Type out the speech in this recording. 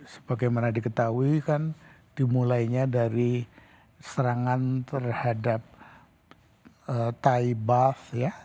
sebagaimana diketahui kan dimulainya dari serangan terhadap tai buff ya